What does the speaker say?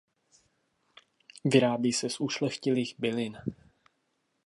Vyrábí se z ušlechtilých bylin.